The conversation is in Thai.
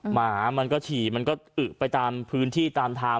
หมามันก็ฉี่มันก็อึไปตามพื้นที่ตามทาง